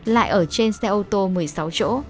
lại ở trên xe ô tô một mươi sáu chỗ